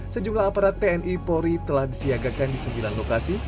sejumlah aparat tni polri telah disiagakan di sembilan lokasi